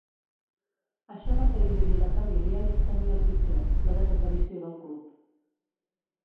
Això va fer dividir la família i es temia el pitjor: la desaparició del Club.